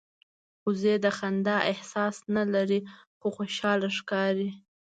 وزې د خندا احساس نه لري خو خوشاله ښکاري